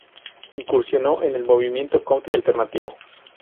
Incursionó en el movimiento Country Alternativo.